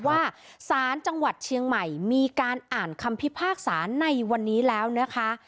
ว่าสารจังหวัดเชียงใหม่มีการอ่านคำพิพากษาในวันนี้แล้วนะคะ